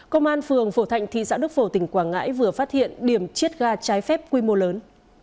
công an phường phổ thạnh thị xã đức phổ tỉnh quảng ngãi vừa phát hiện điểm chiết ga trái phép quy mô lớn